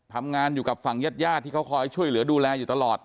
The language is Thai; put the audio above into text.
ทำงานอยู่กับฝั่งญาติญาติที่เขาคอยช่วยเหลือดูแลอยู่ตลอด